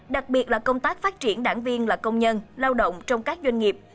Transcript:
đặc biệt là công tác phát triển đảng viên là công nhân lao động trong các doanh nghiệp